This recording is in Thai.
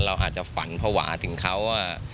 เราอาจจะฝันภาวะถึงเขาว่า